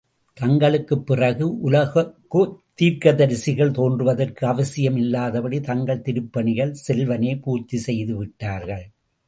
தங்களுக்குப் பிறகு, உலகுக்குத் தீர்க்கதிரிசிகள் தோன்றுவதற்கு அவசியம் இல்லாதபடி, தங்கள் திருப்பணிகளைச் செல்வனே பூர்த்தி செய்து விட்டார்கள்.